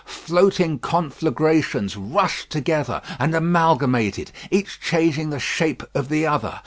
Floating conflagrations rushed together and amalgamated, each changing the shape of the other.